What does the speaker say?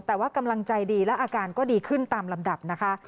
แต่ว่ากำลังใจดีและอาการก็ดีขึ้นตามลำดับนะคะ